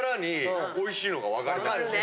分かるね。